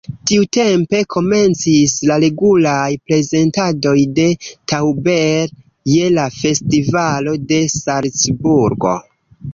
Tiutempe komencis la regulaj prezentadoj de Tauber je la Festivalo de Salcburgo.